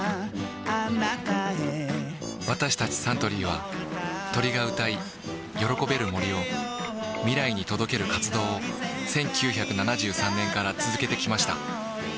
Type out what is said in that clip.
私たちサントリーは鳥が歌い喜べる森を未来に届ける活動を１９７３年から続けてきました